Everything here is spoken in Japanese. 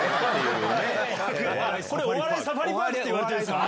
お笑いサファリパークっていわれてるんすか？